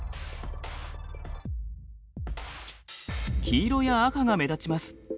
黄色や赤が目立ちます。